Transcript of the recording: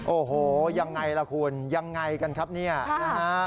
โอ้โหยังไงล่ะคุณยังไงกันครับเนี่ยนะฮะ